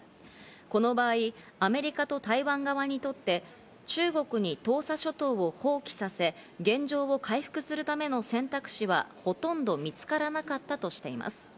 この場合、アメリカと台湾側にとって中国に東沙諸島を放棄させ、原状を回復するための選択肢はほとんど見つからなかったとしています。